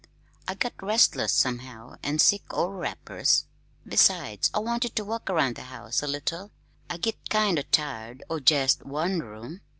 "I got restless, somehow, an' sick o' wrappers. Besides, I wanted to walk around the house a little. I git kind o' tired o' jest one room."